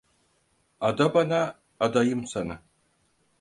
Ada bana, adayım sana.